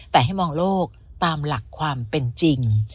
แต่ให้มองโลกตามหลักความเป็นจริง